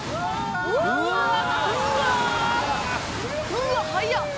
うわっ速っ！